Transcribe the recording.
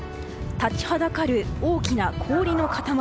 立ちはだかる大きな氷の塊。